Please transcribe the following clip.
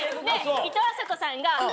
いとうあさこさんが。